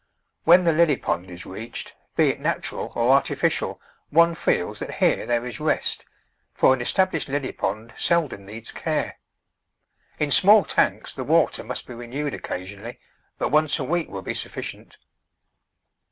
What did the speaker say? When the lily pond is reached, be it natural or artificial, one feels that here there is rest, for an established lily pond seldom needs care. In small tanks the water must be renewed occasionally, but once a week will be sufficient.